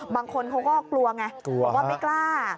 บางคนเขาก็กลัวไงบอกว่าไม่กล้า